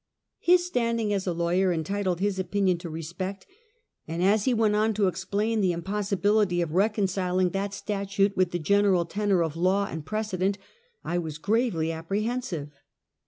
His standing as a lawyer entitled his opinion to re spect, and as he went on to explain the impossibility of reconciling that statute with the general tenor of law and precedent, I was gravely apprehensive.